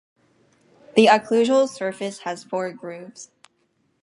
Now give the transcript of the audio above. The occlusal surface has four grooves.